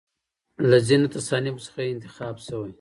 له ځینو تصانیفو څخه یې انتخاب شوی.